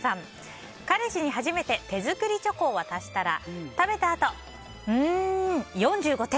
彼氏に初めて手作りチョコを渡したら食べたあと、うーん、４５点。